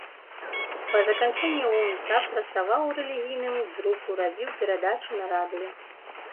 Па заканчэнні ўн-та працаваў у рэлігійным друку, рабіў перадачы на радыё.